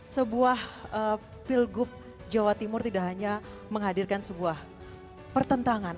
sebuah pilgub jawa timur tidak hanya menghadirkan sebuah pertentangan